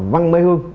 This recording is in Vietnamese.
văn mai hương